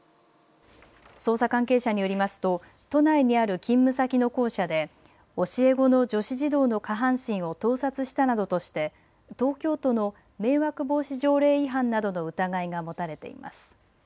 捜査関係者によりますと都内にある勤務先の校舎で教え子の女子児童の下半身を盗撮したなどとして東京都の迷惑防止条例違反などの疑いが持たれています。